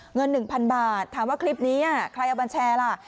เงิน๑๐๐๐บาทถามว่าคลิปนี้ใครเอามาแชร์ล่ะ